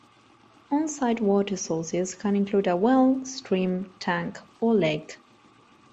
On-site water sources can include a well, stream, tank, or lake.